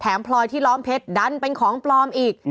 พลอยที่ล้อมเพชรดันเป็นของปลอมอีก